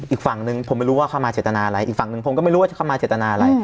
อีกฝั่งหนึ่งผมไม่รู้ว่าเข้ามาเจตนาอะไรอีกฝั่งหนึ่งผมก็ไม่รู้ว่าเข้ามาเจตนาอะไร